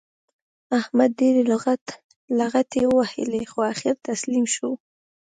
احمد ډېرې لغتې ووهلې؛ خو اخېر تسلیم شو.